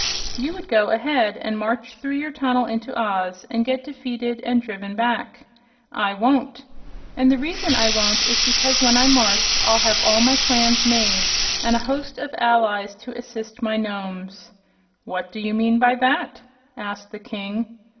You would go ahead and march through your tunnel into Oz, and get defeated and driven back. I won't. And the reason I won't is because when I march I'll have all my plans made, and a host of allies to assist my Nomes." "What do you mean by that?" asked the King.